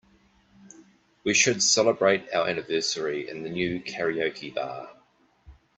We should celebrate our anniversary in the new karaoke bar.